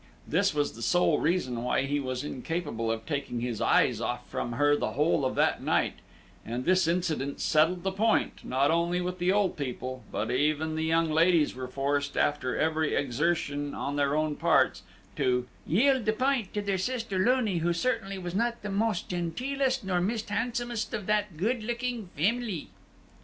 This was the sole reason why he was incapable of taking his eyes off from her the whole of that night; and this incident settled the point, not only with the old people, but even the young ladies were forced, after every exertion on their own parts, to "yild the p'int to their sister Loony, who certainly was not the mist genteelest nor mist handsomest of that guid lucking fimily."